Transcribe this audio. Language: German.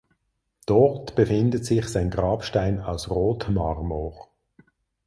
Dort befindet sich sein Grabstein aus Rotmarmor.